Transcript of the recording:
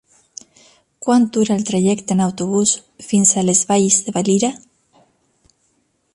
Quant dura el trajecte en autobús fins a les Valls de Valira?